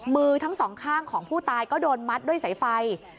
มือทั้งสองข้างของผู้ตายก็โดนมัดด้วยสายไฟ